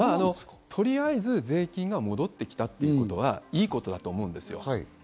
とりあえず税金が戻ってきたということはいいことだと思うんです。